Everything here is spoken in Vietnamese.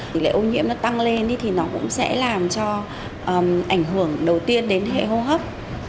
tỷ lệ ô nhiễm nó tăng lên thì nó cũng sẽ làm cho ảnh hưởng đầu tiên đến hệ hô hấp